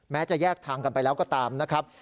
จะแยกทางกันไปแล้วก็ตามนะครับ